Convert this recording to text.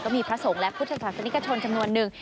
มีพระสงฆ์และพุทธศาสนิกชนจำนวนนึง